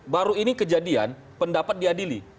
baru ini kejadian pendapat diadili